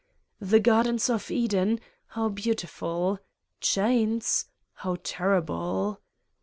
The gardens of Eden how beautiful ! Chains how terrible